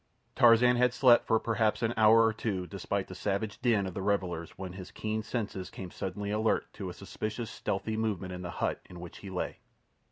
Tarzan had slept for perhaps an hour or two despite the savage din of the revellers when his keen senses came suddenly alert to a suspiciously stealthy movement in the hut in which he lay.